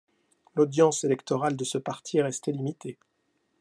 L'audience électorale de ce parti est restée limitée.